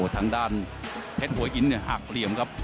ทางด้านเพชรหัวหินหักเหลี่ยมครับ